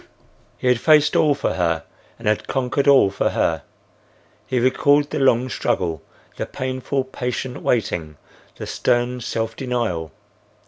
He had faced all for her and had conquered all for her. He recalled the long struggle, the painful, patient waiting, the stern self denial.